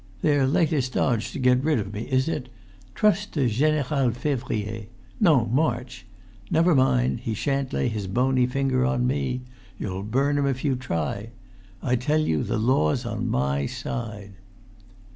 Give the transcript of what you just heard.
"Their latest dodge to get rid of me, is it? Trust to Général Février—no, March! Never mind; he shan't lay his bony finger on me ... You'll burn 'em if you try! ... I tell you the law's on my side."